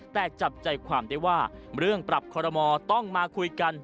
แต่จับใจความได้ว่าเรื่องปรับคอรมอต้องมาคุยกัน